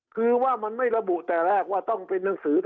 คือว่ามันไม่ระบุแต่แรกว่าต้องเป็นหนังสือ